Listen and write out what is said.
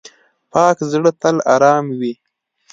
پاک زړه تل آرام وي.